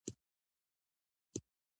ایا ستاسو شعرونه ولسي نه دي؟